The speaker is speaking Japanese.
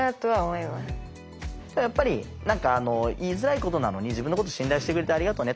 やっぱり何か言いづらいことなのに自分のこと信頼してくれてありがとねと。